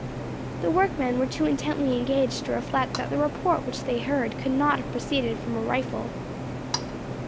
The workmen were too intently engaged to reflect that the report which they heard could not have proceeded from a rifle.